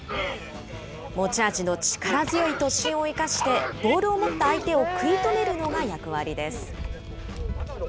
持ち味の力強い突進を生かして、ボールを持った相手を食い止めるのが役割です。